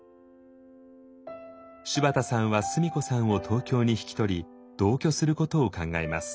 柴田さんは須美子さんを東京に引き取り同居することを考えます。